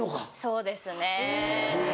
そうですね。